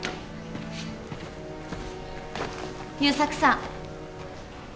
優作さん。